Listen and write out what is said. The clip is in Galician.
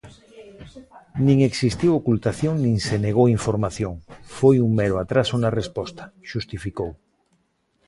"Nin existiu ocultación nin se negou información, foi un mero atraso na resposta", xustificou.